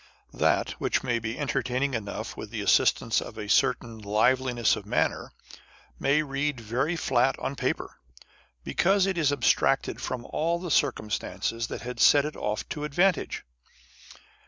That which may be entertaining enough with the assistance of a certain liveliness of manner, may read very flat on paper, because it is abstracted from all the circumstances that had set it off to advantage.